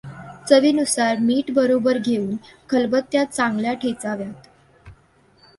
चवीनुसार मीठ बरोबर घेऊन खलबत्त्यात चांगल्या ठेचाव्यात.